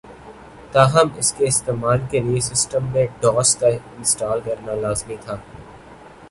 تاہم اس کے استعمال کے لئے سسٹم میں ڈوس کا انسٹال کرنا لازمی تھا